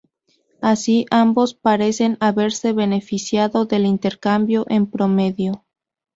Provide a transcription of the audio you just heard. Así, ambos parecen haberse beneficiado del intercambio en promedio.